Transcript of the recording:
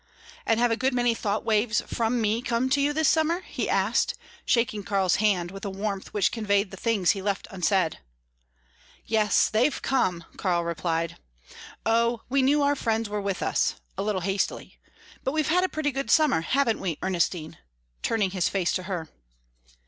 "And have a good many thought waves from me come to you this summer?" he asked, shaking Karl's hand with a warmth which conveyed the things he left unsaid. "Yes, they've come," Karl replied. "Oh, we knew our friends were with us," a little hastily. "But we've had a pretty good summer haven't we, Ernestine?" turning his face to her.